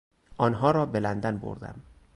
آنها را به لندن بردم.